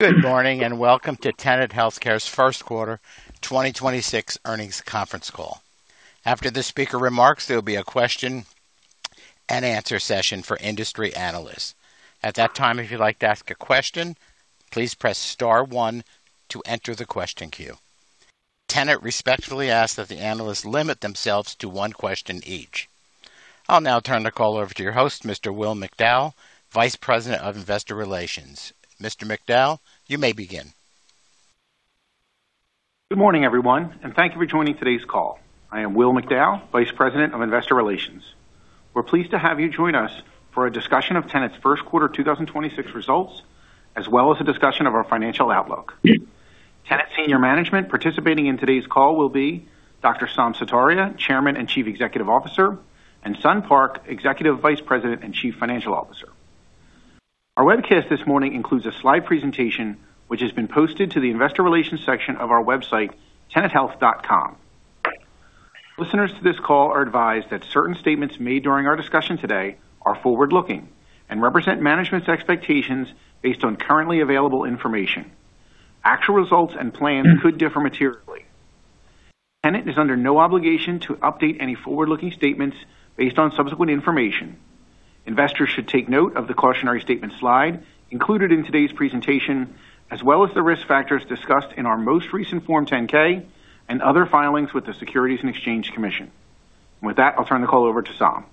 Good morning, and welcome to Tenet Healthcare's 1st quarter 2026 earnings conference call. After the speaker remarks, there'll be a question and answer session for industry analysts. At that time, if you'd like to ask a question, please press star one to enter the question queue. Tenet respectfully asks that the analysts limit themselves to one question each. I'll now turn the call over to your host, Mr. Will McDowell, Vice President of Investor Relations. Mr. McDowell, you may begin. Good morning, everyone, and thank you for joining today's call. I am Will McDowell, Vice President of Investor Relations. We're pleased to have you join us for a discussion of Tenet's first quarter 2026 results, as well as a discussion of our financial outlook. Tenet senior management participating in today's call will be Dr. Saum Sutaria, Chairman and Chief Executive Officer, and Sun Park, Executive Vice President and Chief Financial Officer. Our webcast this morning includes a slide presentation which has been posted to the investor relations section of our website, tenethealth.com. Listeners to this call are advised that certain statements made during our discussion today are forward-looking and represent management's expectations based on currently available information. Actual results and plans could differ materially. Tenet is under no obligation to update any forward-looking statements based on subsequent information. Investors should take note of the cautionary statement slide included in today's presentation, as well as the risk factors discussed in our most recent Form 10-K and other filings with the Securities and Exchange Commission. With that, I'll turn the call over to Saum.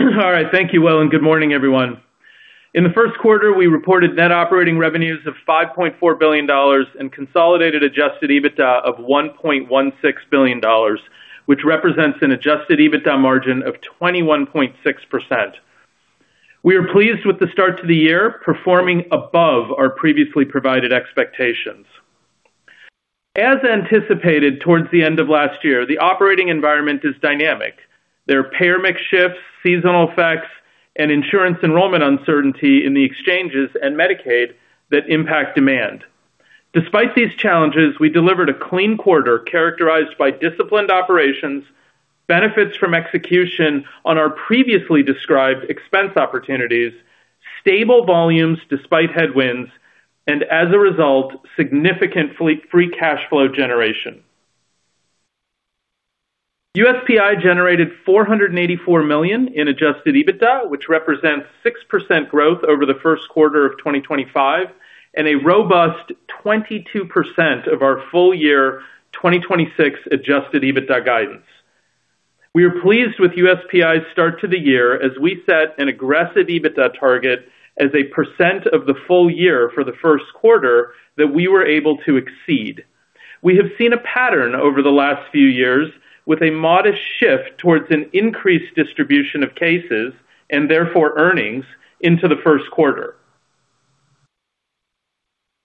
All right. Thank you, Will, and good morning, everyone. In the first quarter, we reported net operating revenues of $5.4 billion and consolidated adjusted EBITDA of $1.16 billion, which represents an adjusted EBITDA margin of 21.6%. We are pleased with the start to the year, performing above our previously provided expectations. As anticipated towards the end of last year, the operating environment is dynamic. There are payer mix shifts, seasonal effects, and insurance enrollment uncertainty in the exchanges and Medicaid that impact demand. Despite these challenges, we delivered a clean quarter characterized by disciplined operations, benefits from execution on our previously described expense opportunities, stable volumes despite headwinds, and as a result, significant free cash flow generation. USPI generated $484 million in adjusted EBITDA, which represents six percent growth over the first quarter of 2025 and a robust 22% of our full year 2026 adjusted EBITDA guidance. We are pleased with USPI's start to the year as we set an aggressive EBITDA target as a percent of the full year for the first quarter that we were able to exceed. We have seen a pattern over the last few years with a modest shift towards an increased distribution of cases and therefore earnings into the first quarter.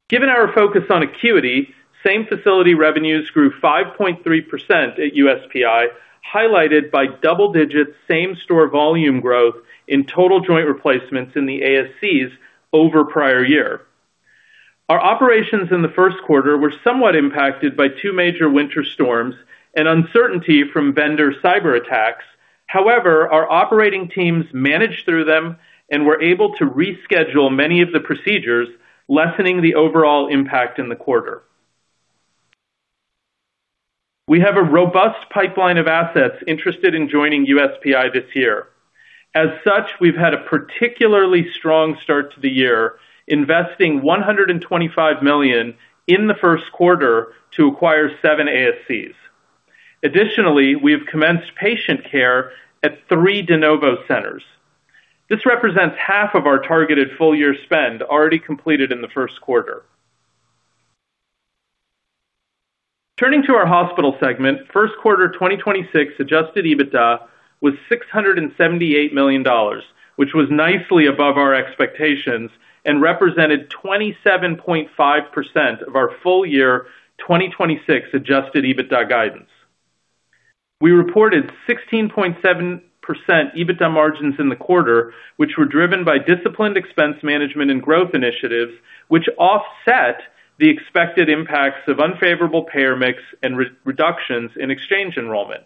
Given our focus on acuity, same facility revenues grew five point three percent at USPI, highlighted by double-digit same-store volume growth in total joint replacements in the ASCs over prior year. Our operations in the first quarter were somewhat impacted by two major winter storms and uncertainty from vendor cyberattacks. However, our operating teams managed through them and were able to reschedule many of the procedures, lessening the overall impact in the quarter. We have a robust pipeline of assets interested in joining USPI this year. As such, we've had a particularly strong start to the year, investing $125 million in the first quarter to acquire seven ASCs. Additionally, we have commenced patient care at three de novo centers. This represents half of our targeted full-year spend already completed in the first quarter. Turning to our hospital segment, first quarter 2026 adjusted EBITDA was $678 million, which was nicely above our expectations and represented 27.5% of our full year 2026 adjusted EBITDA guidance. We reported 16.7% EBITDA margins in the quarter, which were driven by disciplined expense management and growth initiatives, which offset the expected impacts of unfavorable payer mix and re-reductions in exchange enrollment.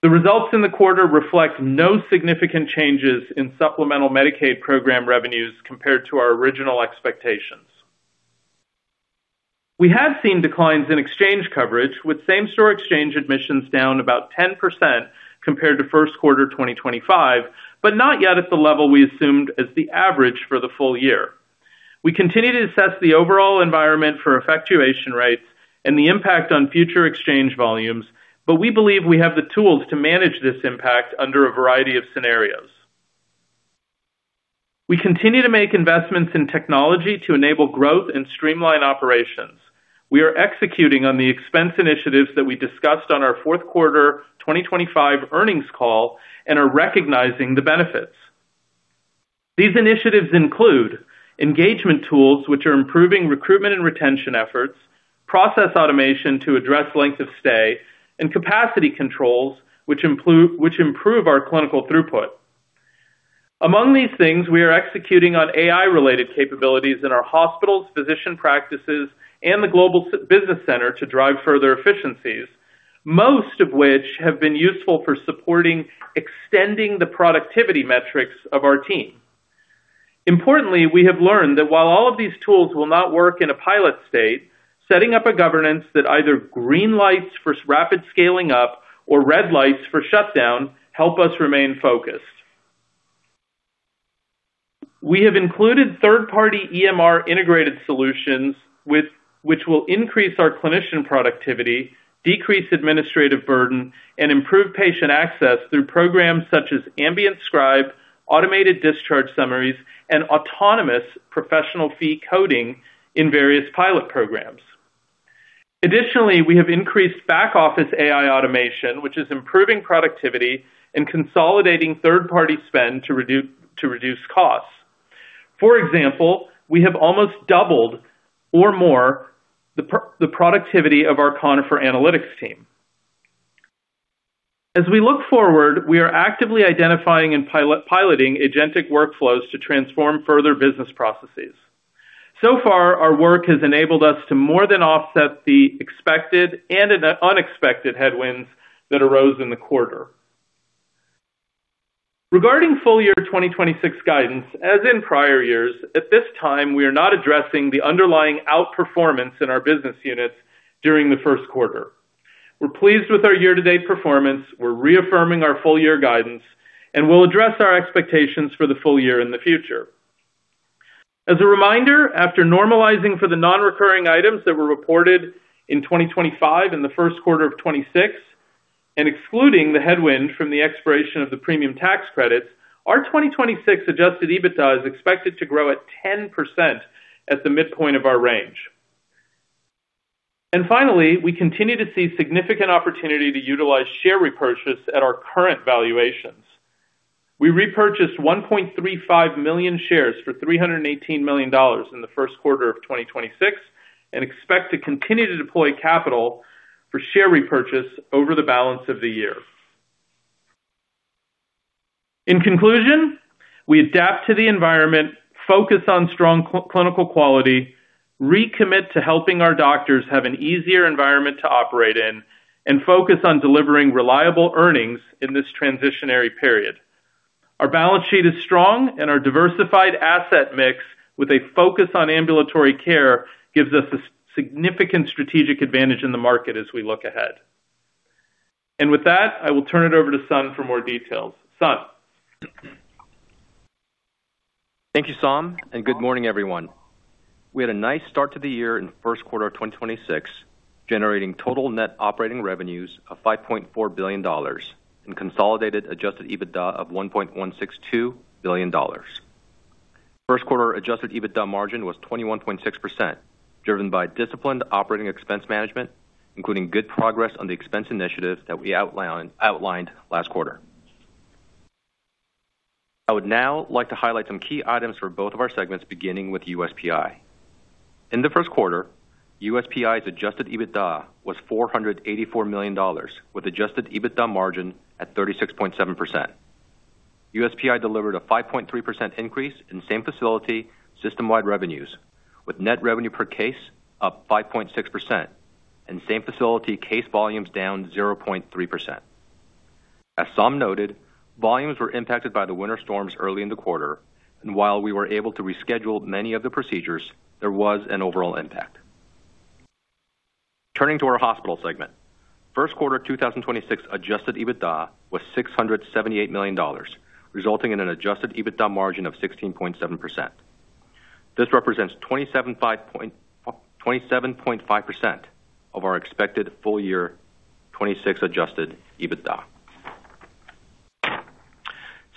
The results in the quarter reflect no significant changes in supplemental Medicaid program revenues compared to our original expectations. We have seen declines in exchange coverage, with same-store exchange admissions down about 10% compared to first quarter 2025, but not yet at the level we assumed as the average for the full year. We continue to assess the overall environment for effectuation rates and the impact on future exchange volumes. We believe we have the tools to manage this impact under a variety of scenarios. We continue to make investments in technology to enable growth and streamline operations. We are executing on the expense initiatives that we discussed on our Q4 2025 earnings call and are recognizing the benefits. These initiatives include engagement tools which are improving recruitment and retention efforts, process automation to address length of stay, and capacity controls which improve our clinical throughput. Among these things, we are executing on AI-related capabilities in our hospitals, physician practices, and the global business center to drive further efficiencies. Most of which have been useful for supporting extending the productivity metrics of our team. Importantly, we have learned that while all of these tools will not work in a pilot state, setting up a governance that either green lights for rapid scaling up or red lights for shutdown help us remain focused. We have included third-party EMR integrated solutions which will increase our clinician productivity, decrease administrative burden, and improve patient access through programs such as Ambient Scribe, automated discharge summaries, and autonomous professional fee coding in various pilot programs. Additionally, we have increased back-office AI automation, which is improving productivity and consolidating third-party spend to reduce costs. For example, we have almost doubled or more the productivity of our Conifer analytics team. As we look forward, we are actively identifying and piloting agentic workflows to transform further business processes. So far, our work has enabled us to more than offset the expected and an unexpected headwinds that arose in the quarter. Regarding full year 2026 guidance, as in prior years, at this time, we are not addressing the underlying outperformance in our business units during the first quarter. We're pleased with our year-to-date performance, we're reaffirming our full year guidance, and we'll address our expectations for the full year in the future. As a reminder, after normalizing for the non-recurring items that were reported in 2025 and the first quarter of 2026, and excluding the headwind from the expiration of the Premium Tax Credit, our 2026 adjusted EBITDA is expected to grow at 10% at the midpoint of our range. Finally, we continue to see significant opportunity to utilize share repurchase at our current valuations. We repurchased 1.35 million shares for $318 million in the first quarter of 2026, and expect to continue to deploy capital for share repurchase over the balance of the year. In conclusion, we adapt to the environment, focus on strong clinical quality, recommit to helping our doctors have an easier environment to operate in, and focus on delivering reliable earnings in this transitionary period. Our balance sheet is strong, our diversified asset mix with a focus on ambulatory care gives us a significant strategic advantage in the market as we look ahead. With that, I will turn it over to Sun for more details. Sun. Thank you, Saum, Good morning, everyone. We had a nice start to the year in the first quarter of 2026, generating total net operating revenues of $5.4 billion and consolidated adjusted EBITDA of $1.162 billion. First quarter adjusted EBITDA margin was 21.6%, driven by disciplined operating expense management, including good progress on the expense initiatives that we outlined last quarter. I would now like to highlight some key items for both of our segments, beginning with USPI. In the first quarter, USPI's adjusted EBITDA was $484 million, with adjusted EBITDA margin at 36.7%. USPI delivered a five point three percent increase in same-facility system-wide revenues, with net revenue per case up five point six percent and same facility case volumes down zero point three percent. As Saum noted, volumes were impacted by the winter storms early in the quarter, and while we were able to reschedule many of the procedures, there was an overall impact. Turning to our hospital segment. First quarter 2026 adjusted EBITDA was $678 million, resulting in an adjusted EBITDA margin of 16.7%. This represents 27.5% of our expected full year 2026 adjusted EBITDA.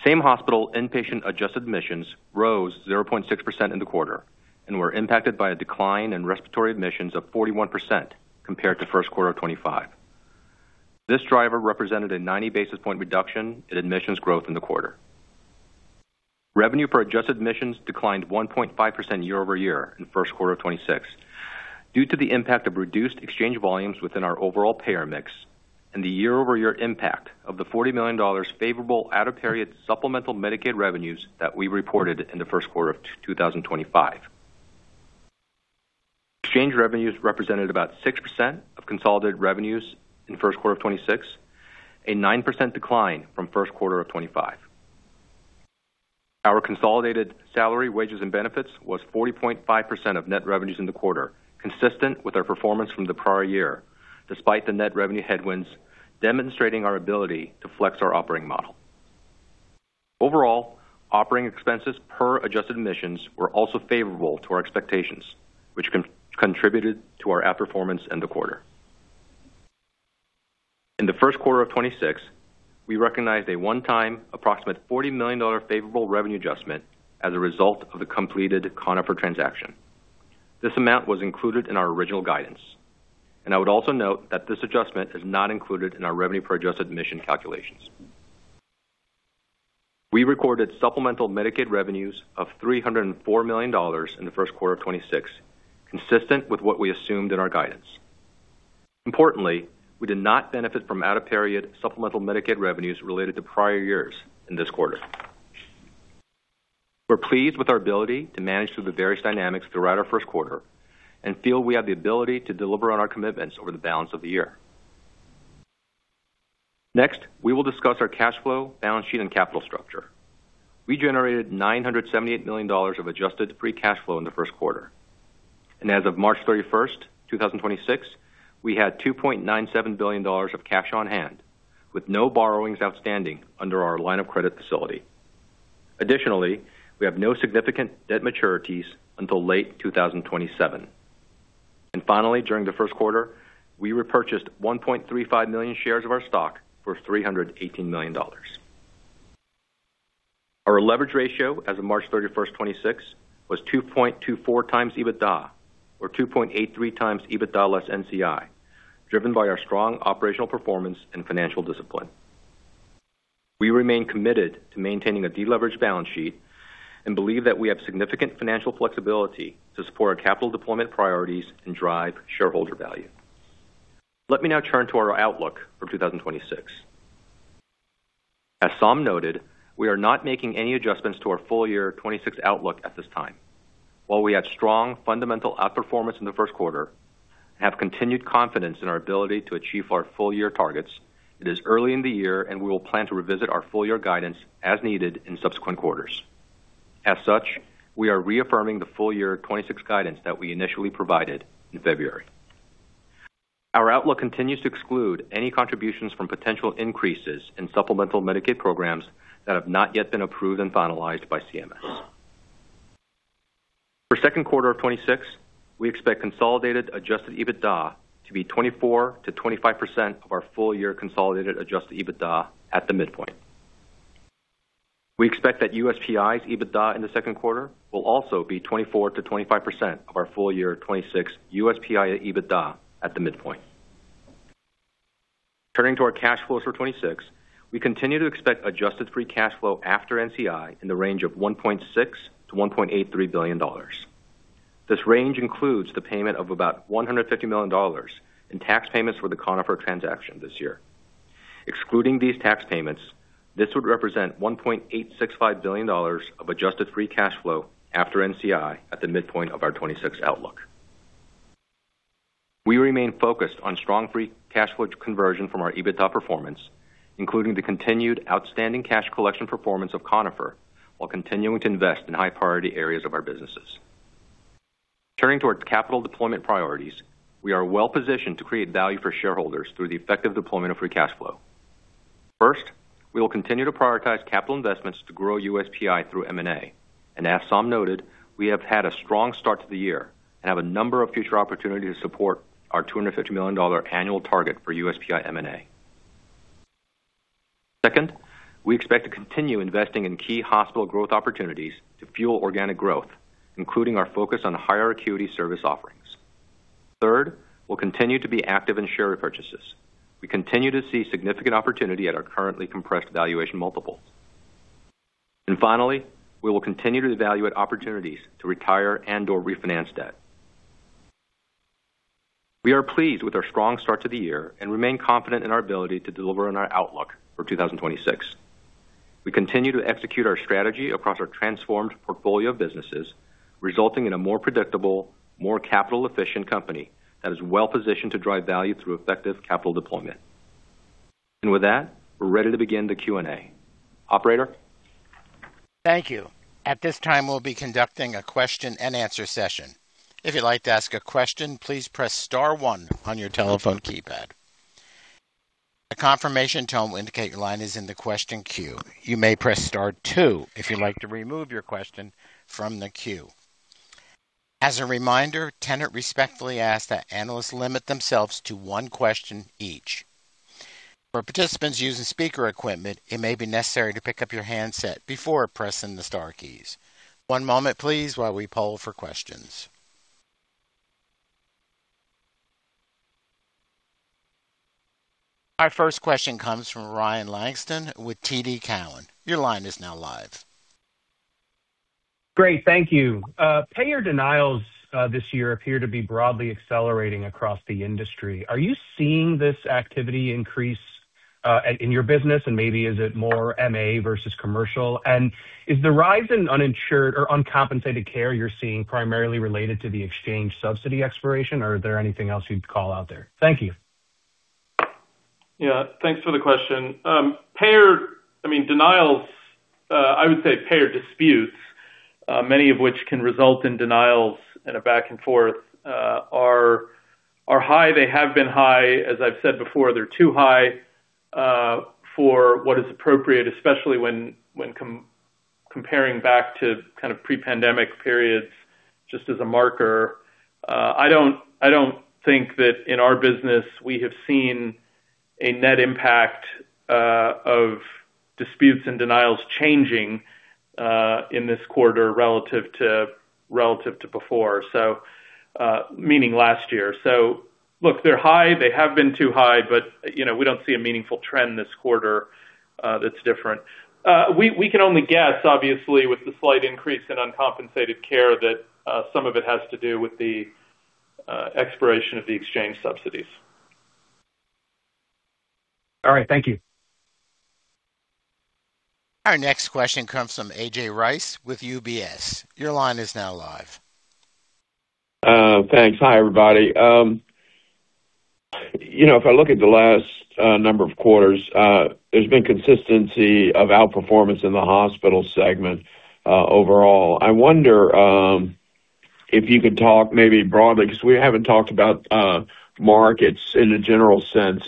Same-hospital inpatient adjusted admissions rose zero point six percent in the quarter and were impacted by a decline in respiratory admissions of 41% compared to first quarter of 2025. This driver represented a 90 basis point reduction in admissions growth in the quarter. Revenue per adjusted admissions declined one point five percent year-over-year in first quarter of 2026 due to the impact of reduced Exchange volumes within our overall payer mix and the year-over-year impact of the $40 million favorable out-of-period supplemental Medicaid revenues that we reported in the first quarter of 2025. Exchange revenues represented about six percent of consolidated revenues in first quarter of 2026, a nine percent decline from first quarter of 2025. Our consolidated Salary, Wages, and Benefits was 40.5% of net revenues in the quarter, consistent with our performance from the prior year, despite the net revenue headwinds, demonstrating our ability to flex our operating model. Overall, operating expenses per adjusted admissions were also favorable to our expectations, which contributed to our outperformance in the quarter. In the first quarter of 2026, we recognized a one-time approximate $40 million favorable revenue adjustment as a result of the completed Conifer transaction. This amount was included in our original guidance. I would also note that this adjustment is not included in our revenue per adjusted admission calculations. We recorded supplemental Medicaid revenues of $304 million in the first quarter of 2026, consistent with what we assumed in our guidance. Importantly, we did not benefit from out-of-period supplemental Medicaid revenues related to prior years in this quarter. We're pleased with our ability to manage through the various dynamics throughout our first quarter and feel we have the ability to deliver on our commitments over the balance of the year. Next, we will discuss our cash flow, balance sheet, and capital structure. We generated $978 million of adjusted free cash flow in the first quarter. As of March 31, 2026, we had $2.97 billion of cash on hand, with no borrowings outstanding under our line of credit facility. Additionally, we have no significant debt maturities until late 2027. Finally, during the first quarter, we repurchased 1.35 million shares of our stock for $318 million. Our leverage ratio as of March 31st, 2026, was two point two four times EBITDA or two point eight three times EBITDA less NCI, driven by our strong operational performance and financial discipline. We remain committed to maintaining a deleveraged balance sheet and believe that we have significant financial flexibility to support our capital deployment priorities and drive shareholder value. Let me now turn to our outlook for 2026. As Saum noted, we are not making any adjustments to our full year 2026 outlook at this time. While we have strong fundamental outperformance in the first quarter and have continued confidence in our ability to achieve our full-year targets, it is early in the year, and we will plan to revisit our full-year guidance as needed in subsequent quarters. As such, we are reaffirming the full year 2026 guidance that we initially provided in February. Our outlook continues to exclude any contributions from potential increases in supplemental Medicaid programs that have not yet been approved and finalized by CMS. For second quarter of 2026, we expect consolidated adjusted EBITDA to be 24%-25% of our full-year consolidated adjusted EBITDA at the midpoint. We expect that USPI's EBITDA in the second quarter will also be 24% to 25% of our full-year 2026 USPI EBITDA at the midpoint. Turning to our cash flows for 2026, we continue to expect adjusted free cash flow after NCI in the range of $1.6 billion to $1.83 billion. This range includes the payment of about $150 million in tax payments for the Conifer transaction this year. Excluding these tax payments, this would represent $1.865 billion of adjusted free cash flow after NCI at the midpoint of our 2026 outlook. We remain focused on strong free cash flow conversion from our EBITDA performance, including the continued outstanding cash collection performance of Conifer, while continuing to invest in high-priority areas of our businesses. Turning to our capital deployment priorities, we are well positioned to create value for shareholders through the effective deployment of free cash flow. First, we will continue to prioritize capital investments to grow USPI through M&A. As Saum noted, we have had a strong start to the year and have a number of future opportunities to support our $250 million annual target for USPI M&A. Second, we expect to continue investing in key hospital growth opportunities to fuel organic growth, including our focus on higher acuity service offerings. Third, we'll continue to be active in share repurchases. We continue to see significant opportunity at our currently compressed valuation multiples. Finally, we will continue to evaluate opportunities to retire and/or refinance debt. We are pleased with our strong start to the year and remain confident in our ability to deliver on our outlook for 2026. We continue to execute our strategy across our transformed portfolio of businesses, resulting in a more predictable, more capital-efficient company that is well positioned to drive value through effective capital deployment. With that, we're ready to begin the Q&A. Operator? Thank you. At this time, we'll be conducting a question-and-answer session. If you'd like to ask a question, please press star one on your telephone keypad. A confirmation tone will indicate your line is in the question queue. You may press star two if you'd like to remove your question from the queue. As a reminder, Tenet respectfully asks that analysts limit themselves to one question each. For participants using speaker equipment, it may be necessary to pick up your handset before pressing the star keys. One moment, please, while we poll for questions. Our first question comes from Ryan Langston with TD Cowen. Your line is now live. Great. Thank you. Payer denials this year appear to be broadly accelerating across the industry. Are you seeing this activity increase in your business? Maybe is it more MA versus commercial? Is the rise in uninsured or uncompensated care you're seeing primarily related to the exchange subsidy expiration, or is there anything else you'd call out there? Thank you. Thanks for the question. I mean, denials, I would say payer disputes, many of which can result in denials and a back and forth, are high. They have been high. As I've said before, they're too high for what is appropriate, especially when comparing back to kind of pre-pandemic periods, just as a marker. I don't think that in our business we have seen a net impact of disputes and denials changing in this quarter relative to before, so meaning last year. Look, they're high. They have been too high, but, you know, we don't see a meaningful trend this quarter that's different. We can only guess, obviously, with the slight increase in uncompensated care that some of it has to do with the expiration of the exchange subsidies. All right. Thank you. Our next question comes from A.J. Rice with UBS. Your line is now live. Thanks. Hi, everybody. You know, if I look at the last number of quarters, there's been consistency of outperformance in the hospital segment overall. I wonder if you could talk maybe broadly, because we haven't talked about markets in a general sense.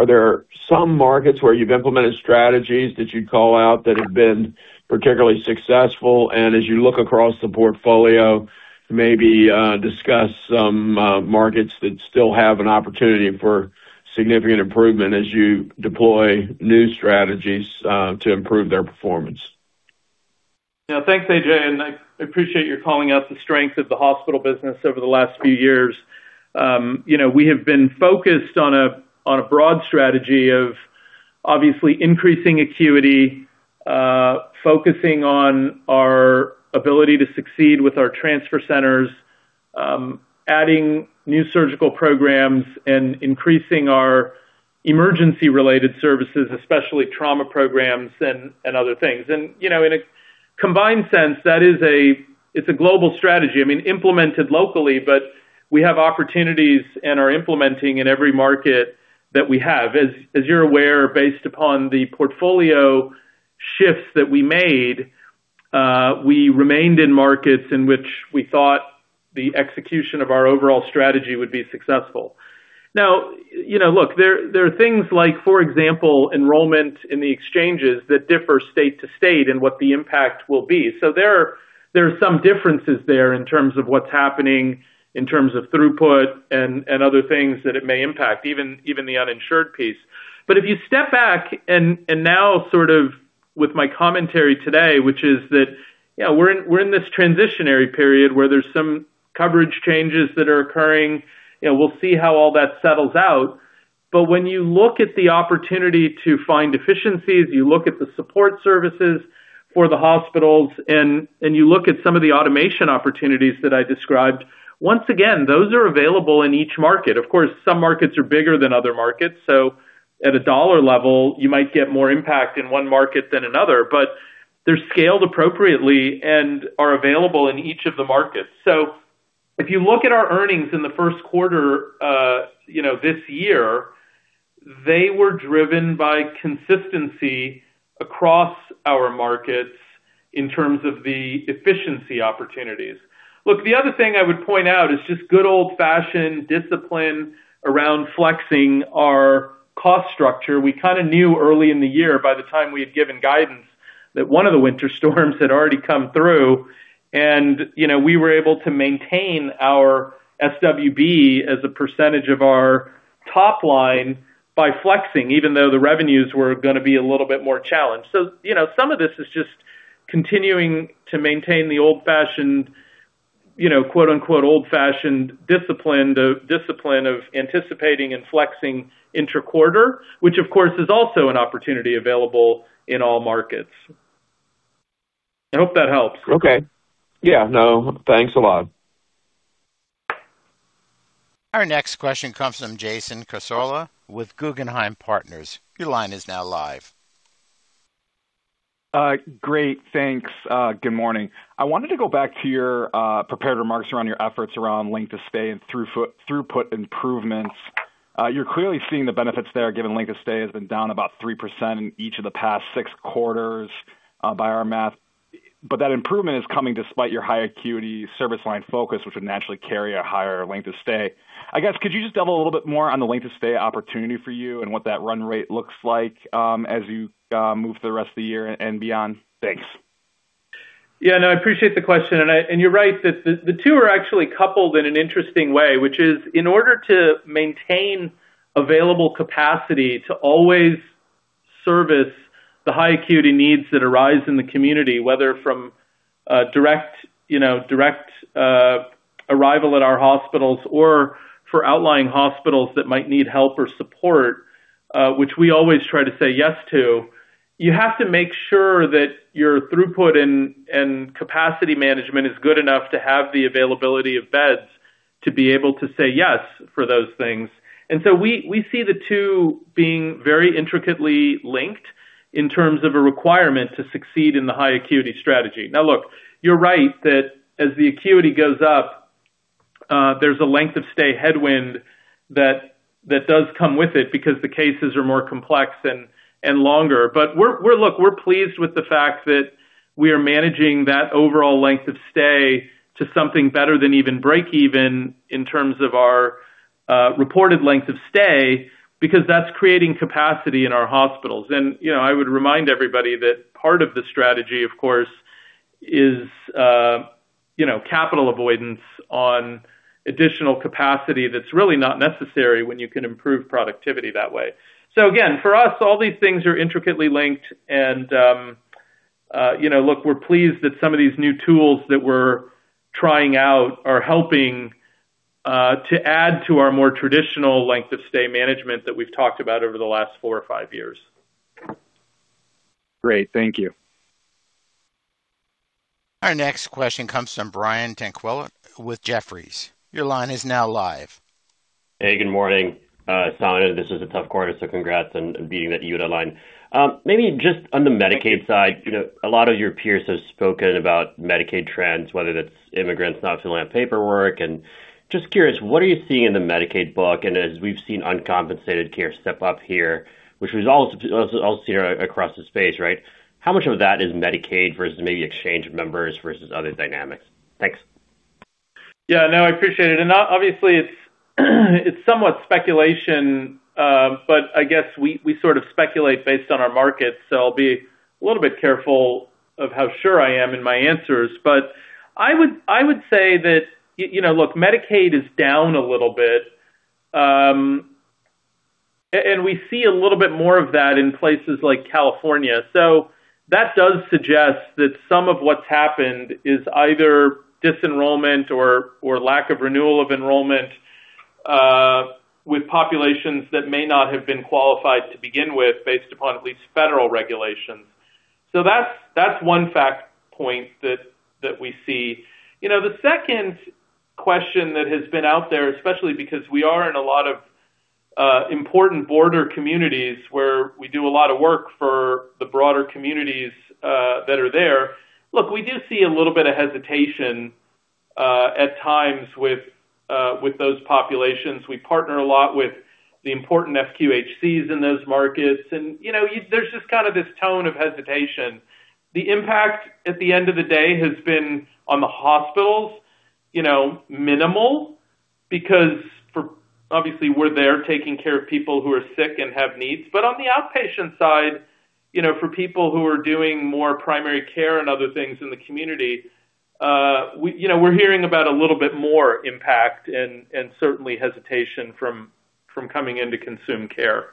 Are there some markets where you've implemented strategies that you'd call out that have been particularly successful? As you look across the portfolio, maybe discuss some markets that still have an opportunity for significant improvement as you deploy new strategies to improve their performance. Thanks, A.J., I appreciate your calling out the strength of the hospital business over the last few years. You know, we have been focused on a broad strategy of obviously increasing acuity, focusing on our ability to succeed with our transfer centers, adding new surgical programs and increasing our emergency-related services, especially trauma programs and other things. You know, in a combined sense, it's a global strategy. I mean implemented locally, we have opportunities and are implementing in every market that we have. As you're aware, based upon the portfolio shifts that we made, we remained in markets in which we thought the execution of our overall strategy would be successful. You know, look, there are things like, for example, enrollment in the exchanges that differ state to state and what the impact will be. There are some differences there in terms of what's happening, in terms of throughput and other things that it may impact, even the uninsured piece. If you step back and now sort of with my commentary today, which is that, you know, we're in this transitionary period where there's some coverage changes that are occurring. You know, we'll see how all that settles out. When you look at the opportunity to find efficiencies, you look at the support services for the hospitals and you look at some of the automation opportunities that I described, once again, those are available in each market. Of course, some markets are bigger than other markets, so at a $ level, you might get more impact in one market than another. They're scaled appropriately and are available in each of the markets. If you look at our earnings in the first quarter, you know, this year, they were driven by consistency across our markets in terms of the efficiency opportunities. Look, the other thing I would point out is just good old-fashioned discipline around flexing our cost structure. We kinda knew early in the year by the time we had given guidance that one of the winter storms had already come through. You know, we were able to maintain our SWB as a percentage of our top line by flexing, even though the revenues were gonna be a little bit more challenged. You know, some of this is just continuing to maintain the old-fashioned, you know, quote-unquote, "old-fashioned discipline," the discipline of anticipating and flexing inter-quarter, which of course is also an opportunity available in all markets. I hope that helps. Okay. Yeah, no. Thanks a lot. Our next question comes from Jason Cassorla with Guggenheim Partners. Your line is now live. Great. Thanks. Good morning. I wanted to go back to your prepared remarks around your efforts around length of stay and throughput improvements. You're clearly seeing the benefits there, given length of stay has been down about three percent in each of the past six quarters, by our math. That improvement is coming despite your high acuity service line focus, which would naturally carry a higher length of stay. I guess, could you just double a little bit more on the length of stay opportunity for you and what that run rate looks like, as you move through the rest of the year and beyond? Thanks. Yeah. No, I appreciate the question. You're right that the two are actually coupled in an interesting way, which is in order to maintain available capacity to always service the high acuity needs that arise in the community, whether from direct direct arrival at our hospitals or for outlying hospitals that might need help or support, which we always try to say yes to, you have to make sure that your throughput and capacity management is good enough to have the availability of beds to be able to say yes for those things. We see the two being very intricately linked in terms of a requirement to succeed in the high acuity strategy. Look, you're right that as the acuity goes up, there's a length of stay headwind that does come with it because the cases are more complex and longer. We're pleased with the fact that we are managing that overall length of stay to something better than even break even in terms of our reported length of stay because that's creating capacity in our hospitals. You know, I would remind everybody that part of the strategy, of course, is, you know, capital avoidance on additional capacity that's really not necessary when you can improve productivity that way. Again, for us, all these things are intricately linked and, you know, look, we're pleased that some of these new tools that we're trying out are helping to add to our more traditional length of stay management that we've talked about over the last four or five years. Great. Thank you. Our next question comes from Brian Tanquilut with Jefferies. Your line is now live. Hey, good morning, Saum. This is a tough quarter, congrats on beating that UNDA line. Maybe just on the Medicaid side, you know, a lot of your peers have spoken about Medicaid trends, whether that's immigrants not filling out paperwork and just curious, what are you seeing in the Medicaid book? As we've seen uncompensated care step up here, which was all seen across the space, right? How much of that is Medicaid versus maybe exchange members versus other dynamics? Thanks. No, I appreciate it. Obviously it's somewhat speculation, but I guess we sort of speculate based on our markets, so I'll be a little bit careful of how sure I am in my answers. I would say that, you know, look, Medicaid is down a little bit, and we see a little bit more of that in places like California. That does suggest that some of what's happened is either dis-enrollment or lack of renewal of enrollment with populations that may not have been qualified to begin with based upon at least federal regulations. That's one fact point that we see. You know, the second question that has been out there, especially because we are in a lot of important border communities where we do a lot of work for the broader communities that are there. Look, we do see a little bit of hesitation at times with those populations. We partner a lot with the important FQHCs in those markets and, you know, there's just kind of this tone of hesitation. The impact at the end of the day has been on the hospitals, you know, minimal because obviously we're there taking care of people who are sick and have needs. On the outpatient side, you know, for people who are doing more primary care and other things in the community, we, you know, we're hearing about a little bit more impact and, certainly hesitation from coming in to consume care.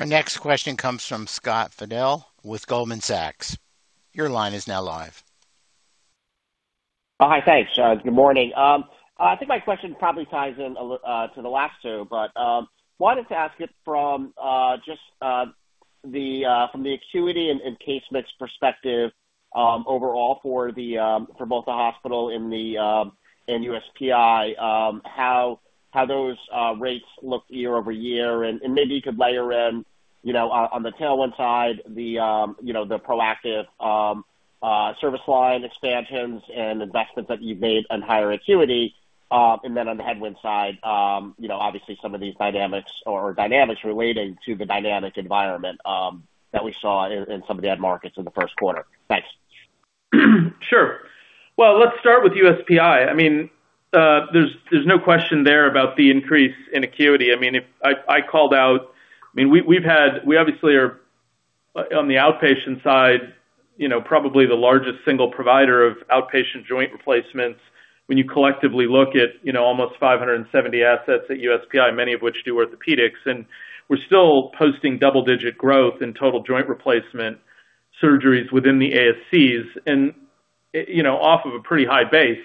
Our next question comes from Scott Fidel with Goldman Sachs. Your line is now live. Hi. Thanks. Good morning. I think my question probably ties in to the last two, wanted to ask it from the acuity and case mix perspective, overall for both the hospital and USPI, how those rates look year-over-year, and maybe you could layer in on the tailwind side, the proactive service line expansions and investments that you've made on higher acuity. On the headwind side, obviously some of these dynamics or dynamics relating to the dynamic environment that we saw in some of the ad markets in the first quarter. Thanks. Sure. Well, let's start with USPI. I mean, there's no question there about the increase in acuity. I mean, I called out. I mean, we obviously are, on the outpatient side, you know, probably the largest single provider of outpatient joint replacements when you collectively look at, you know, almost 570 assets at USPI, many of which do orthopedics, and we're still posting double-digit growth in total joint replacement surgeries within the ASCs and, you know, off of a pretty high base.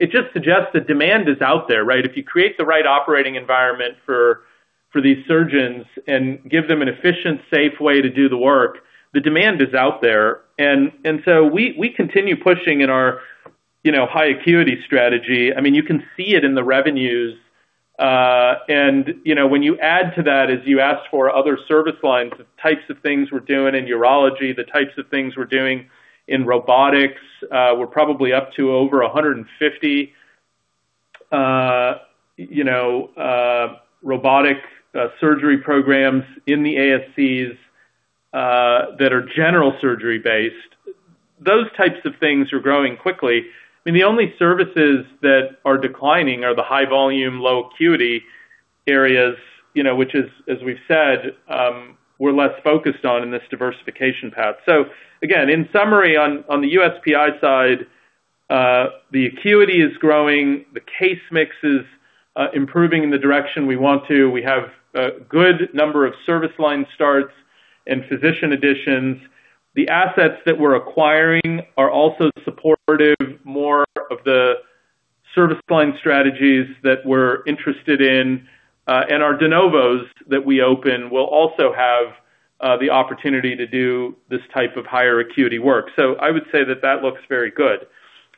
It just suggests the demand is out there, right? If you create the right operating environment for these surgeons and give them an efficient, safe way to do the work, the demand is out there. We continue pushing in our, you know, high acuity strategy. I mean, you can see it in the revenues. And, you know, when you add to that, as you ask for other service lines, the types of things we're doing in urology, the types of things we're doing in robotics, we're probably up to over 150, you know, robotic surgery programs in the ASCs that are general surgery-based. Those types of things are growing quickly. I mean, the only services that are declining are the high volume, low acuity areas, you know, which is, as we've said, we're less focused on in this diversification path. Again, in summary, on the USPI side, the acuity is growing, the case mix is improving in the direction we want to. We have a good number of service line starts and physician additions. The assets that we're acquiring are also supportive more of the service line strategies that we're interested in. Our de novos that we open will also have the opportunity to do this type of higher acuity work. I would say that that looks very good.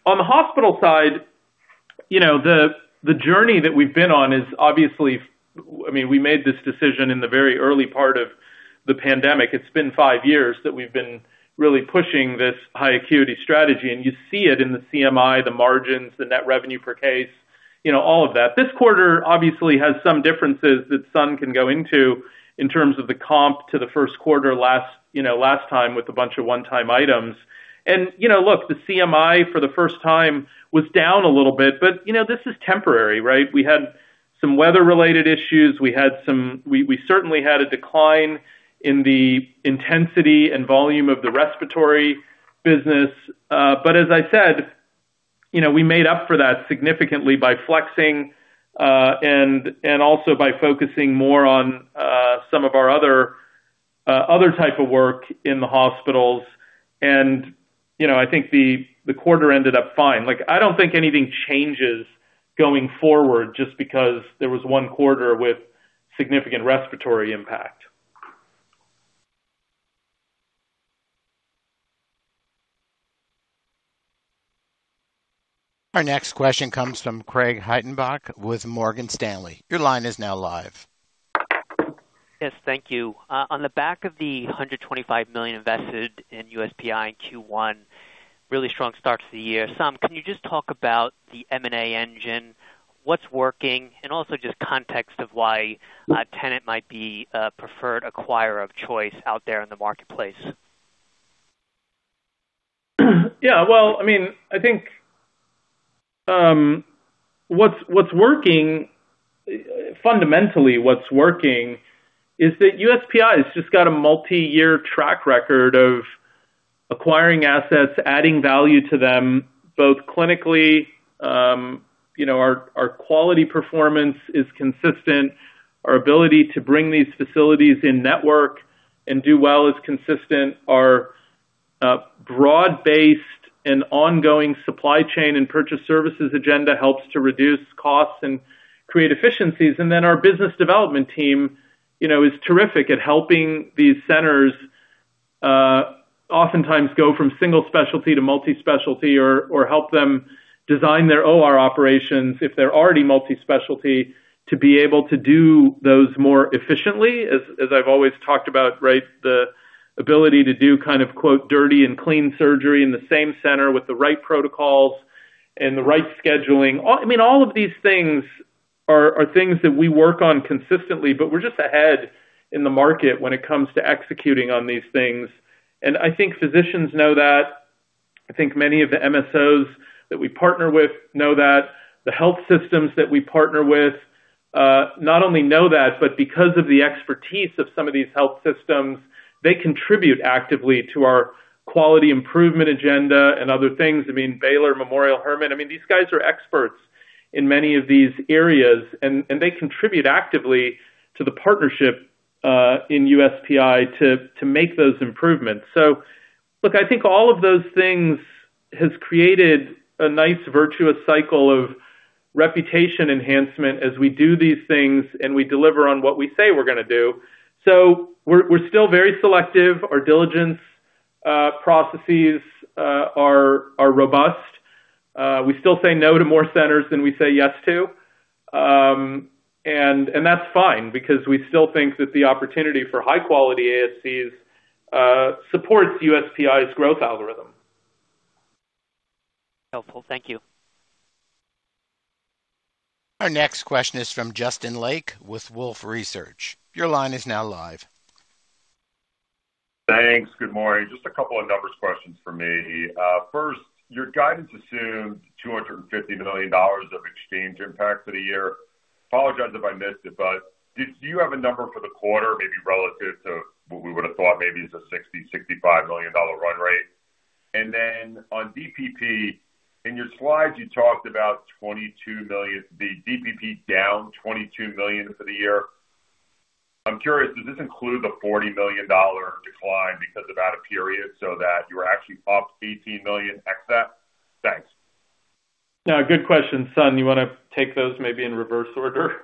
On the hospital side, you know, the journey that we've been on is I mean, we made this decision in the very early part of the pandemic. It's been five years that we've been really pushing this high acuity strategy, and you see it in the CMI, the margins, the net revenue per case, you know, all of that. This quarter obviously has some differences that Sun can go into in terms of the comp to the first quarter last, you know, last time with a bunch of one-time items. You know, look, the CMI for the first time was down a little bit. You know, this is temporary, right? We had some weather-related issues. We certainly had a decline in the intensity and volume of the respiratory business. As I said, you know, we made up for that significantly by flexing and also by focusing more on some of our other type of work in the hospitals. You know, I think the quarter ended up fine. Like, I don't think anything changes going forward just because there was one quarter with significant respiratory impact. Our next question comes from Craig Hettenbach with Morgan Stanley. Your line is now live. Yes, thank you. On the back of the $125 million invested in USPI in Q1, really strong start to the year. Saum, can you just talk about the M&A engine, what's working, and also just context of why Tenet might be a preferred acquirer of choice out there in the marketplace? Yeah, well, I mean, I think, what's working, fundamentally what's working is that USPI has just got a multi-year track record of acquiring assets, adding value to them, both clinically, you know, our quality performance is consistent. Our ability to bring these facilities in-network and do well is consistent. Our broad-based and ongoing supply chain and purchase services agenda helps to reduce costs and create efficiencies. Our business development team, you know, is terrific at helping these centers, oftentimes go from single specialty to multi-specialty or help them design their OR operations if they're already multi-specialty, to be able to do those more efficiently. As I've always talked about, right? The ability to do kind of, quote, "dirty and clean surgery in the same center with the right protocols and the right scheduling." I mean, all of these things are things that we work on consistently, we're just ahead in the market when it comes to executing on these things. I think physicians know that. I think many of the MSOs that we partner with know that. The health systems that we partner with, not only know that, because of the expertise of some of these health systems, they contribute actively to our quality improvement agenda and other things. I mean, Baylor, Memorial Hermann, I mean, these guys are experts in many of these areas, and they contribute actively to the partnership in USPI to make those improvements. Look, I think all of those things has created a nice virtuous cycle of reputation enhancement as we do these things and we deliver on what we say we're going to do. We're still very selective. Our diligence processes are robust. We still say no to more centers than we say yes to. And that's fine because we still think that the opportunity for high-quality ASCs supports USPI's growth algorithm. Helpful. Thank you. Our next question is from Justin Lake with Wolfe Research. Your line is now live. Thanks. Good morning. Just a couple of numbers questions for me. First, your guidance assumes $250 million of exchange impact for the year. Apologize if I missed it, but did you have a number for the quarter, maybe relative to what we would have thought maybe is a $60 million-$65 million run rate? On DPP, in your slides, you talked about $22 million, the DPP down $22 million for the year. I'm curious, does this include the $40 million decline because of out-of-period so that you were actually up $18 million ex that? Thanks. Yeah, good question. Sun, you wanna take those maybe in reverse order?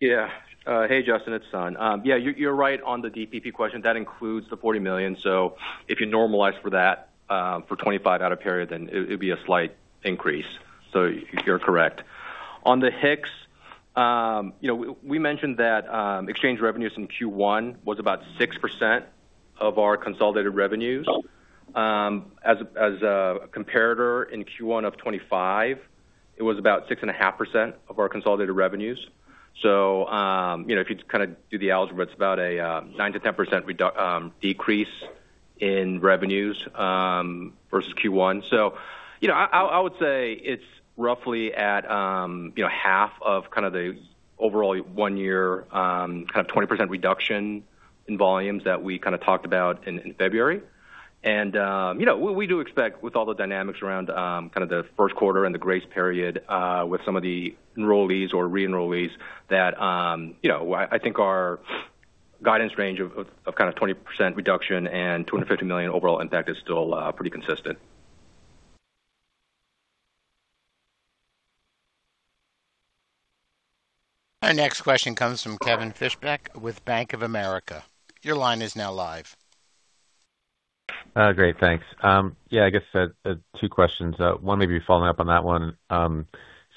Yeah. Hey, Justin, it's Sun. Yeah, you're right on the DPP question. That includes the $40 million. If you normalize for that, for 25 out-of-period, then it'd be a slight increase. You're correct. On the HIX, you know, we mentioned that exchange revenues in Q1 was about six percent of our consolidated revenues. As a comparator in Q1 of 2025, it was about six and a half of our consolidated revenues. You know, if you kinda do the algebra, it's about a nine to 10% decrease in revenues versus Q1. You know, I would say it's roughly at, you know, half of kind of the overall one year, kind of 20% reduction in volumes that we kinda talked about in February. You know, we do expect with all the dynamics around kinda the first quarter and the grace period with some of the enrollees or re-enrollees that, you know, I think our guidance range of kinda 20% reduction and $250 million overall impact is still pretty consistent. Our next question comes from Kevin Fischbeck with Bank of America. Your line is now live. Great. Thanks. Yeah, I guess, two questions. One maybe following up on that one.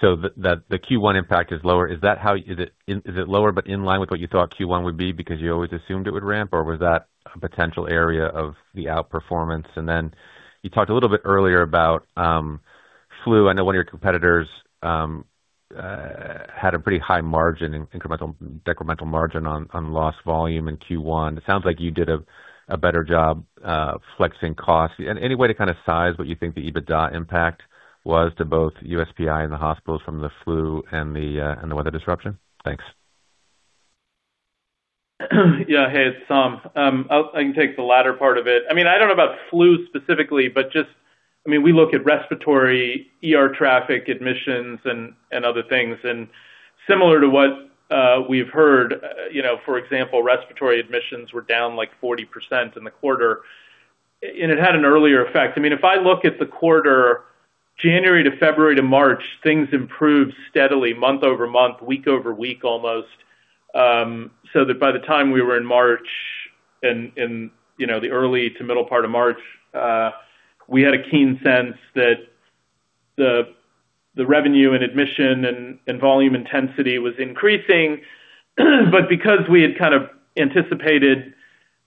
So the Q1 impact is lower. Is it lower but in line with what you thought Q1 would be because you always assumed it would ramp, or was that a potential area of the outperformance? Then you talked a little bit earlier about flu. I know one of your competitors had a pretty high margin in decremental margin on lost volume in Q1. It sounds like you did a better job flexing costs. Any way to kinda size what you think the EBITDA impact was to both USPI and the hospitals from the flu and the weather disruption? Thanks. Yeah. Hey, it's Saum Sutaria. I can take the latter part of it. I mean, I don't know about flu specifically, but just, I mean, we look at respiratory, ER traffic, admissions, and other things. Similar to what we've heard, you know, for example, respiratory admissions were down like 40% in the quarter, and it had an earlier effect. I mean, if I look at the quarter January to February to March, things improved steadily month-over-month, week-over-week, almost. That by the time we were in March and, you know, the early to middle part of March, we had a keen sense that the revenue and admission and volume intensity was increasing. Because we had kind of anticipated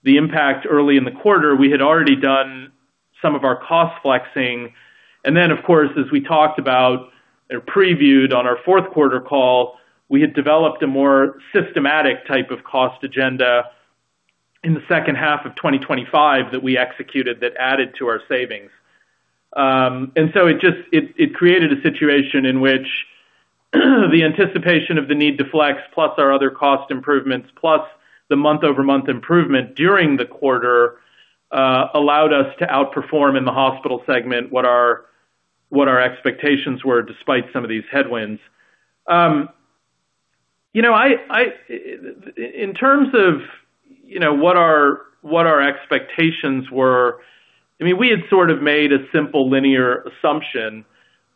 the impact early in the quarter, we had already done some of our cost flexing. Of course, as we talked about or previewed on our fourth quarter call, we had developed a more systematic type of cost agenda in the second half of 2025 that we executed that added to our savings. It created a situation in which the anticipation of the need to flex, plus our other cost improvements, plus the month-over-month improvement during the quarter, allowed us to outperform in the hospital segment what our expectations were despite some of these headwinds. You know, I mean, in terms of what our expectations were, we had sort of made a simple linear assumption.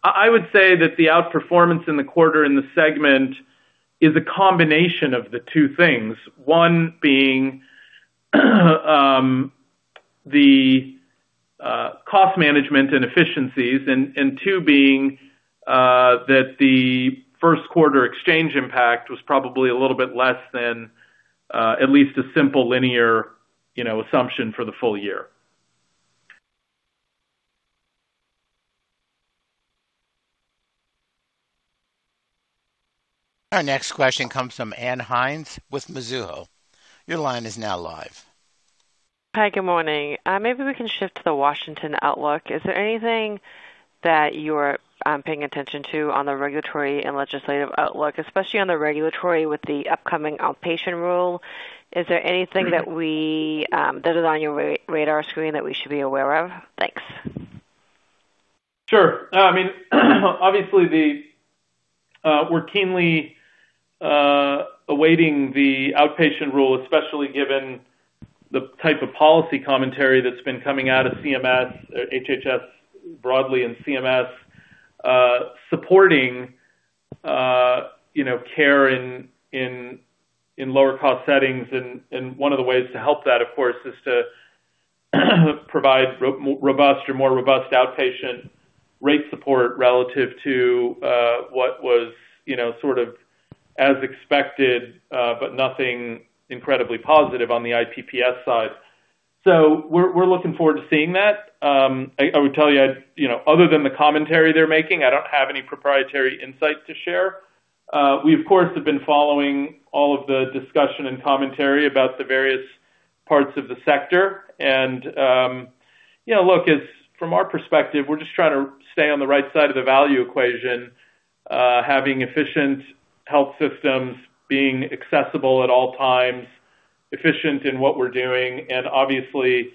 I would say that the outperformance in the quarter in the segment is a combination of the two things. One being, the cost management and efficiencies, and two being, that the first quarter exchange impact was probably a little bit less than, at least a simple linear, you know, assumption for the full year. Our next question comes from Ann Hynes with Mizuho. Your line is now live. Hi, good morning. Maybe we can shift to the Washington outlook. Is there anything that you're paying attention to on the regulatory and legislative outlook, especially on the regulatory with the upcoming outpatient rule? Is there anything that is on your radar screen that we should be aware of? Thanks. Sure. I mean, obviously, we're keenly awaiting the outpatient rule, especially given the type of policy commentary that's been coming out of CMS, HHS broadly, and CMS, supporting, you know, care in lower cost settings. One of the ways to help that, of course, is to provide more robust outpatient rate support relative to what was, you know, sort of as expected, nothing incredibly positive on the IPPs side. We're looking forward to seeing that. I would tell you know, other than the commentary they're making, I don't have any proprietary insights to share. We of course, have been following all of the discussion and commentary about the various parts of the sector. You know, look, it's from our perspective, we're just trying to stay on the right side of the value equation, having efficient health systems, being accessible at all times, efficient in what we're doing, and obviously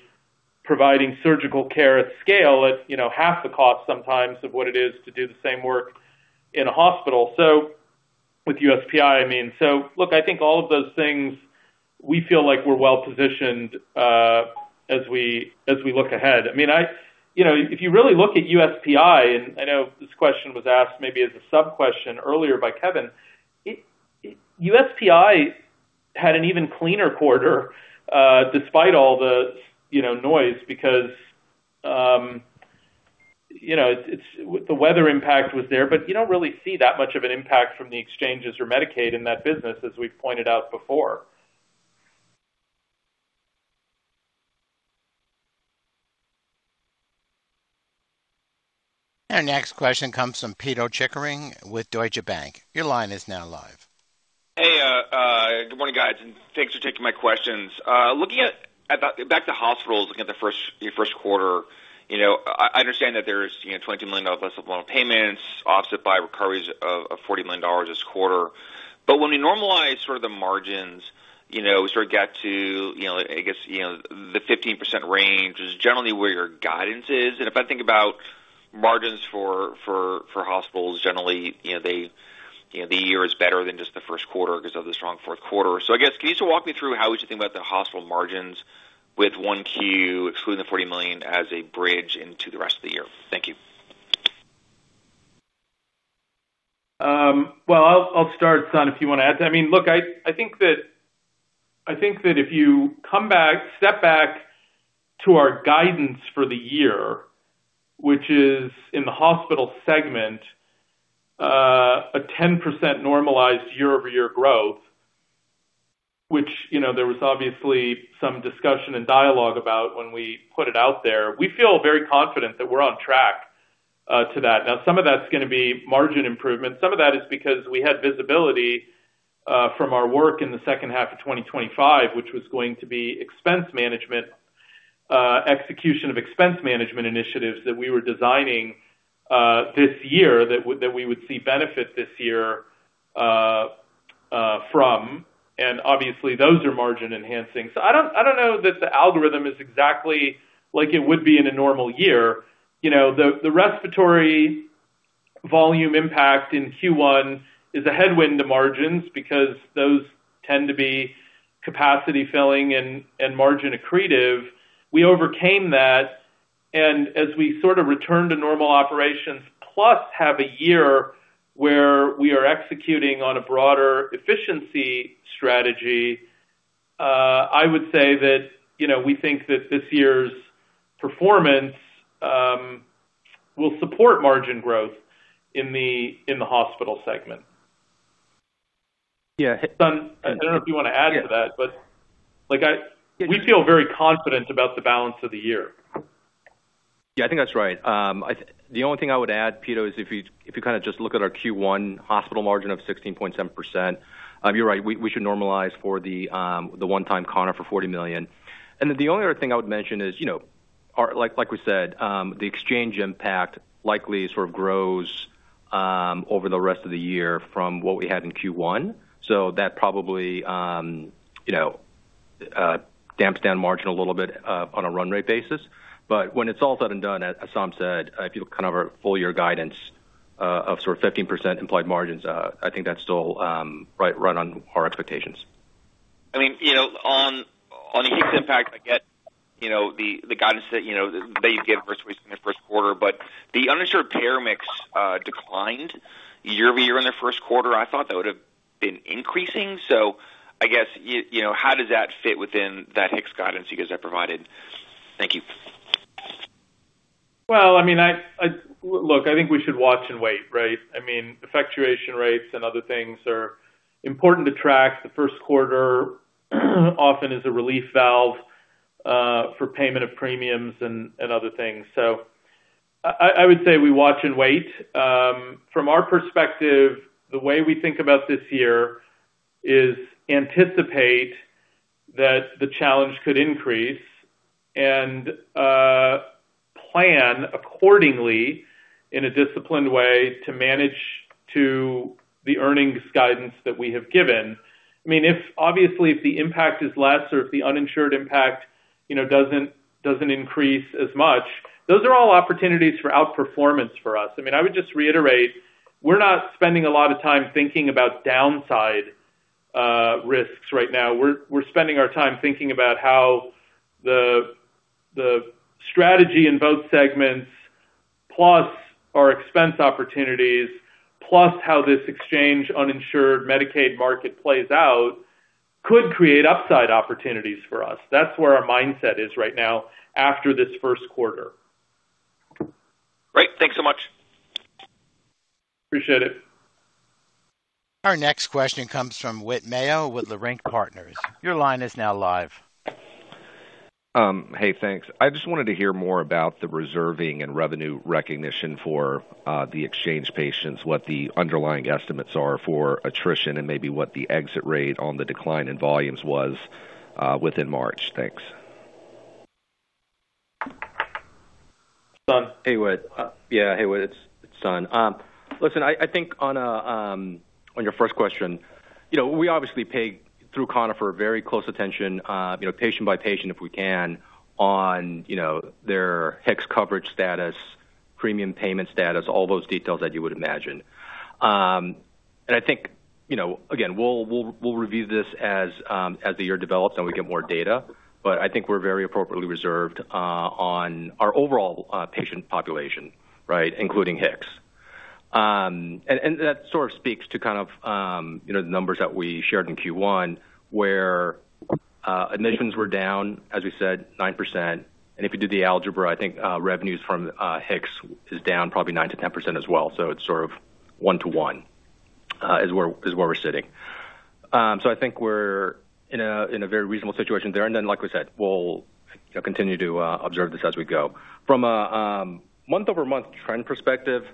providing surgical care at scale at, you know, half the cost sometimes of what it is to do the same work in a hospital. With USPI, I mean, so look, I think all of those things, we feel like we're well-positioned, as we, as we look ahead. I mean, you know, if you really look at USPI, and I know this question was asked maybe as a sub-question earlier by Kevin. USPI had an even cleaner quarter, despite all the, you know, noise because, you know, the weather impact was there, but you don't really see that much of an impact from the exchanges or Medicaid in that business, as we've pointed out before. Our next question comes from Pito Chickering with Deutsche Bank. Your line is now live. Hey, good morning, guys, and thanks for taking my questions. Looking back to hospitals, looking at your first quarter. You know, I understand that there's, you know, $20 million less of loan payments offset by recoveries of $40 million this quarter. When we normalize sort of the margins, you know, sort of get to, you know, I guess, you know, the 15% range is generally where your guidance is. If I think about margins for hospitals, generally, you know, they, you know, the year is better than just the first quarter because of the strong fourth quarter. I guess, can you just walk me through how we should think about the hospital margins with 1Q, excluding the $40 million as a bridge into the rest of the year? Thank you. Well, I'll start, Sun, if you wanna add. I mean, look, I think that if you step back to our guidance for the year, which is in the hospital segment, a 10% normalized year-over-year growth, which, you know, there was obviously some discussion and dialogue about when we put it out there. We feel very confident that we're on track to that. Now, some of that's gonna be margin improvement. Some of that is because we had visibility from our work in the second half of 2025, which was going to be expense management, execution of expense management initiatives that we were designing this year that we would see benefit this year. Obviously, those are margin enhancing. I don't know that the algorithm is exactly like it would be in a normal year. You know, the respiratory volume impact in Q1 is a headwind to margins because those tend to be capacity filling and margin accretive. We overcame that, as we sort of return to normal operations, plus have a year where we are executing on a broader efficiency strategy, I would say that, you know, we think that this year's performance will support margin growth in the hospital segment. Yeah. Sun, I don't know if you wanna add to that, but like We feel very confident about the balance of the year. Yeah, I think that's right. The only thing I would add, Pito, is if you, if you kinda just look at our Q1 hospital margin of 16.7%, you're right. We should normalize for the one-time Conifer $40 million. The only other thing I would mention is, you know, like we said, the exchange impact likely sort of grows over the rest of the year from what we had in Q1. That probably, you know, damps down margin a little bit on a run rate basis. When it's all said and done, as Saum said, if you look kind of our full year guidance of sort of 15% implied margins, I think that's still right on our expectations. I mean, you know, on the HIX impact, I get, you know, the guidance that, you know, that you gave for in the first quarter. The uninsured payer mix declined year-over-year in the first quarter. I thought that would have been increasing. I guess you know, how does that fit within that HIX guidance you guys have provided? Thank you. I mean, look, I think we should watch and wait, right? I mean, effectuation rates and other things are important to track. The first quarter often is a relief valve for payment of premiums and other things. I would say we watch and wait. From our perspective, the way we think about this year is anticipate that the challenge could increase and plan accordingly in a disciplined way to manage to the earnings guidance that we have given. I mean, if obviously, if the impact is less or if the uninsured impact, you know, doesn't increase as much, those are all opportunities for outperformance for us. I mean, I would just reiterate, we're not spending a lot of time thinking about downside risks right now. We're spending our time thinking about how the strategy in both segments, plus our expense opportunities, plus how this exchange, uninsured Medicaid market plays out, could create upside opportunities for us. That's where our mindset is right now after this first quarter. Great. Thanks so much. Appreciate it. Our next question comes from Whit Mayo with Leerink Partners. Your line is now live. Hey, thanks. I just wanted to hear more about the reserving and revenue recognition for the exchange patients, what the underlying estimates are for attrition and maybe what the exit rate on the decline in volumes was within March. Thanks. Sun. Hey, Whit. Yeah, hey, Whit, it's Sun. Listen, I think on a, on your first question, you know, we obviously pay through Conifer very close attention, you know, patient by patient, if we can, on, you know, their HIX coverage status, premium payment status, all those details that you would imagine. I think, you know, again, we'll review this as the year develops and we get more data, but I think we're very appropriately reserved on our overall patient population, right? Including HIX. That sort of speaks to kind of, you know, the numbers that we shared in Q1, where admissions were down, as we said, nine percent. If you do the algebra, I think revenues from HIX is down probably nine to10% as well. It's sort of one to one, is where we're sitting. I think we're in a very reasonable situation there. Like we said, we'll, you know, continue to observe this as we go. From a month-over-month trend perspective,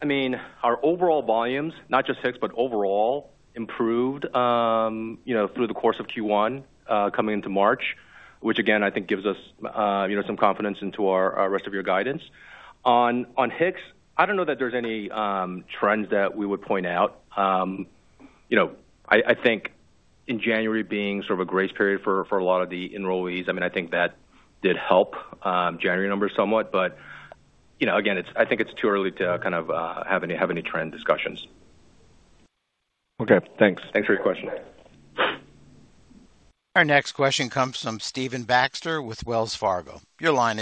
I mean, our overall volumes, not just HIX, but overall improved, you know, through the course of Q1, coming into March, which again, I think gives us, you know, some confidence into our rest of year guidance. On HIX, I don't know that there's any trends that we would point out. You know, I think in January being sort of a grace period for a lot of the enrollees, I mean, I think that did help January numbers somewhat, but, you know, again, it's too early to kind of have any, have any trend discussions. Okay, thanks. Thanks for your question. Our next question comes from Stephen Baxter with Wells Fargo. Hi,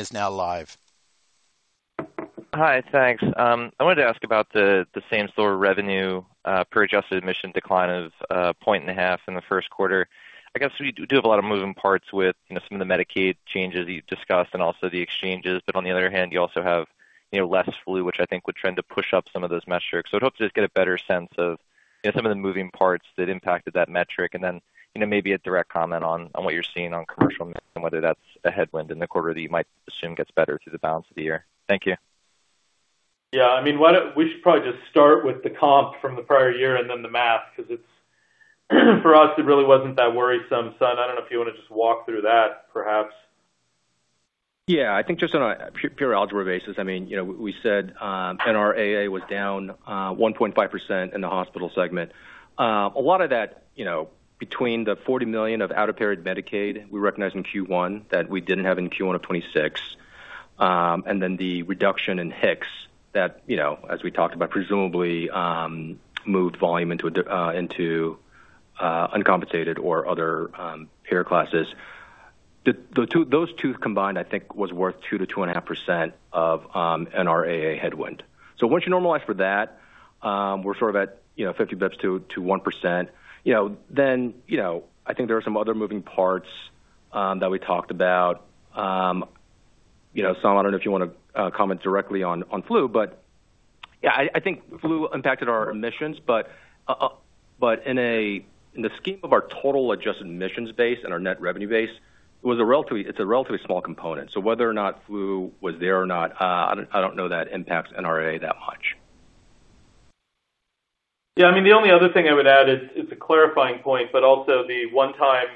thanks. I wanted to ask about the same-store revenue per adjusted admission decline of a point and a half in the first quarter. I guess we do have a lot of moving parts with, you know, some of the Medicaid changes you discussed and also the exchanges. On the other hand, you also have, you know, less flu, which I think would trend to push up some of those metrics. I'd hope to just get a better sense of, you know, some of the moving parts that impacted that metric, and then, you know, maybe a direct comment on what you're seeing on commercial mix and whether that's a headwind in the quarter that you might assume gets better through the balance of the year. Thank you. Yeah, I mean, we should probably just start with the comp from the prior year and then the math, 'cause it's for us, it really wasn't that worrisome. Sun, I don't know if you wanna just walk through that perhaps. Yeah, I think just on a pure algebra basis, I mean, you know, we said NRAA was down one point five percent in the hospital segment. A lot of that, you know, between the $40 million of out-of-period Medicaid we recognized in Q1 that we didn't have in Q1 of 2026. The reduction in HIX that, you know, as we talked about, presumably, moved volume into uncompensated or other payer classes. Those two combined, I think, was worth two to two and a half percent of NRAA headwind. Once you normalize for that, we're sort of at, you know, 50 basis points to one percent. I think there are some other moving parts that we talked about. You know, Sun, I don't know if you wanna comment directly on flu, but yeah, I think flu impacted our admissions, but in the scheme of our total adjusted admissions base and our net revenue base, it's a relatively small component. Whether or not flu was there or not, I don't know that impacts NRAA that much. The only other thing I would add is, it's a clarifying point, but also the one-time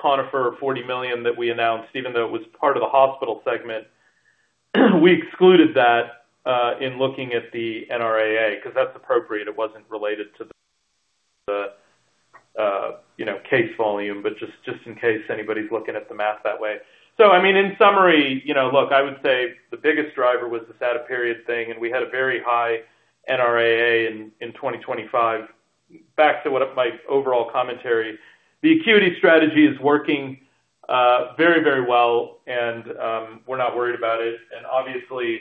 Conifer $40 million that we announced, even though it was part of the hospital segment, we excluded that in looking at the NRAA, 'cause that's appropriate. It wasn't related to the, you know, case volume, but just in case anybody's looking at the math that way. In summary, you know, look, I would say the biggest driver was this out-of-period thing, and we had a very high NRAA in 2025. Back to my overall commentary. The acuity strategy is working very well and we're not worried about it. Obviously,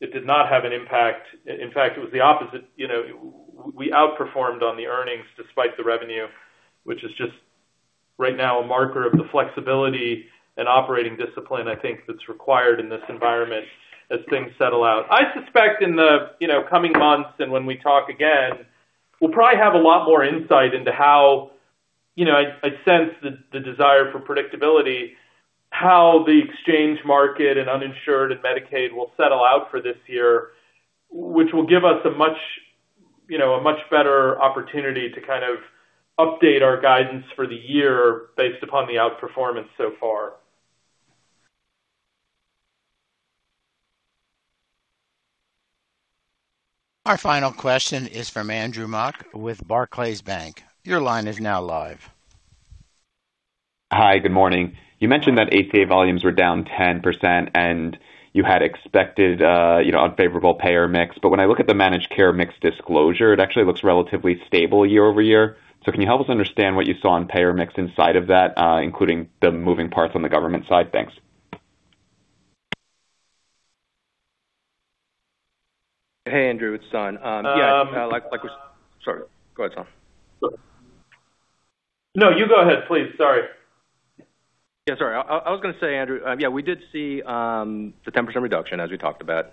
it did not have an impact. In fact, it was the opposite. You know, we outperformed on the earnings despite the revenue, which is just right now a marker of the flexibility and operating discipline I think that's required in this environment as things settle out. I suspect in the, you know, coming months and when we talk again, we'll probably have a lot more insight into how, you know, I sense the desire for predictability, how the exchange market and uninsured and Medicaid will settle out for this year, which will give us a much better opportunity to kind of update our guidance for the year based upon the outperformance so far. Our final question is from Andrew Mok with Barclays Bank. Your line is now live. Hi. Good morning. You mentioned that ACA volumes were down 10% and you had expected, you know, unfavorable payer mix. When I look at the managed care mix disclosure, it actually looks relatively stable year-over-year. Can you help us understand what you saw on payer mix inside of that, including the moving parts on the government side? Thanks. Hey, Andrew, it's Sun. Yeah, like Sorry, go ahead, Sun. No, you go ahead, please. Sorry. Yeah, sorry. I was gonna say, Andrew, yeah, we did see the 10% reduction, as we talked about.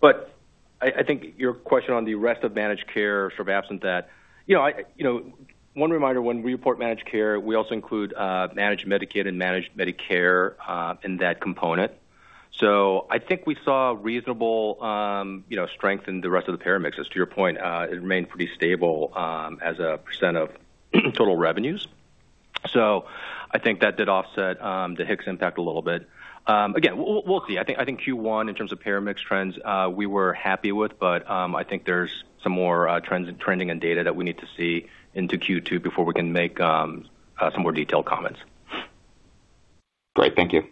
But I think your question on the rest of managed care sort of absent that. You know, one reminder, when we report managed care, we also include managed Medicaid and managed Medicare in that component. I think we saw reasonable, you know, strength in the rest of the payer mixes. To your point, it remained pretty stable as a percent of total revenues. I think that did offset the HIX impact a little bit. Again, we'll see. I think Q1, in terms of payer mix trends, we were happy with, but I think there's some more trends and trending and data that we need to see into Q2 before we can make some more detailed comments. Great. Thank you.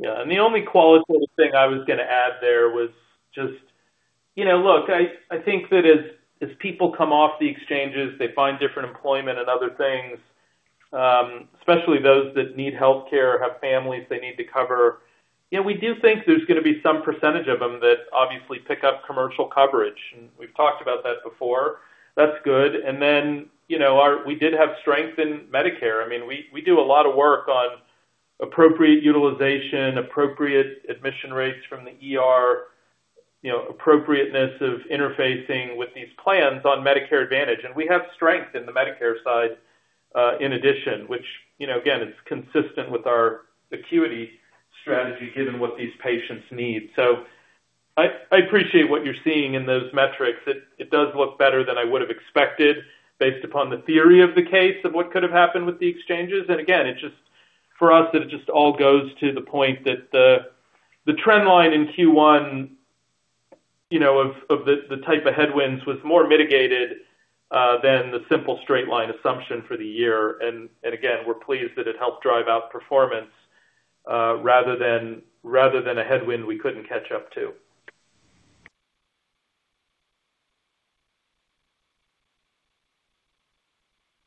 Yeah. The only qualitative thing I was gonna add there was just, you know, look, I think that as people come off the exchanges, they find different employment and other things, especially those that need healthcare, have families they need to cover. You know, we do think there's gonna be some percentage of them that obviously pick up commercial coverage, and we've talked about that before. That's good. You know, we did have strength in Medicare. I mean, we do a lot of work on appropriate utilization, appropriate admission rates from the ER, you know, appropriateness of interfacing with these plans on Medicare Advantage. We have strength in the Medicare side, in addition, which, you know, again, is consistent with our acuity strategy, given what these patients need. I appreciate what you're seeing in those metrics. It does look better than I would've expected based upon the theory of the case of what could have happened with the exchanges. Again, for us, it just all goes to the point that the trend line in Q1, you know, of the type of headwinds was more mitigated than the simple straight line assumption for the year. Again, we're pleased that it helped drive out performance rather than a headwind we couldn't catch up to.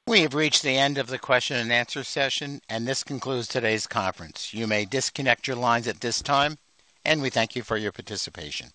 We have reached the end of the question and answer session. This concludes today's conference. You may disconnect your lines at this time. We thank you for your participation.